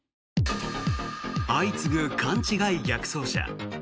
相次ぐ勘違い逆走車。